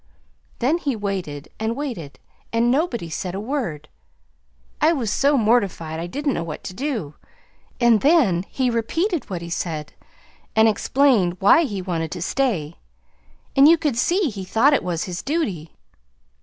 Then he waited and waited, and nobody said a word. I was so mortified I didn't know what to do. And then he repeated what he said, an explained why he wanted to stay, and you could see he thought it was his duty.